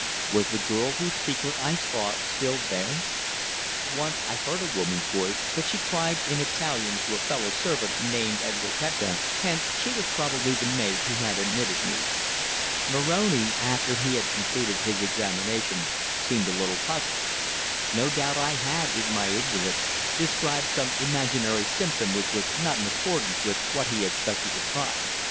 Was the girl whose secret I sought still there? Once I heard a woman's voice, but she cried in Italian to a fellow servant named Enrichetta, hence she was probably the maid who had admitted me. Moroni, after he had concluded his examination, seemed a little puzzled. No doubt I had, in my ignorance, described some imaginary symptom which was not in accordance with what he expected to find.